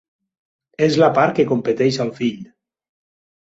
És la part que competeix al fill.